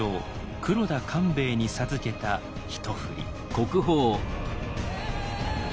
黒田官兵衛に授けた一振り。